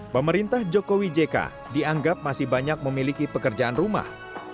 pemerintah jokowi jk dianggap masih banyak memiliki pekerjaan rumah